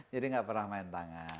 jadi nggak pernah main tangan